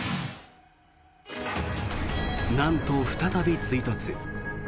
なんと再び追突。